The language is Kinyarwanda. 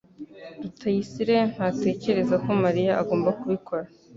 rutayisire ntatekereza ko Mariya agomba kubikora.